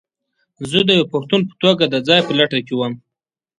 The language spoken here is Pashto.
زه د یوه پښتون په توګه د ځاى په لټه کې وم.